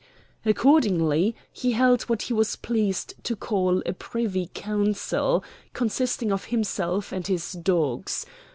Accordingly he held what he was pleased to call a Privy Council consisting of himself and his dogs.